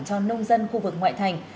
cho nông dân khu vực ngoại thành